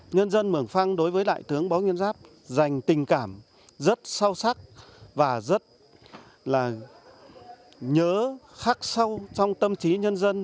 nhân dân mường phăng đối với đại tướng bó nguyên giáp dành tình cảm rất sâu sắc và rất là nhớ khắc sâu trong tâm trí nhân dân